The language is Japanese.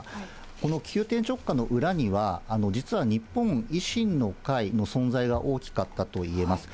この急転直下の裏には、実は日本維新の会の存在が大きかったといえます。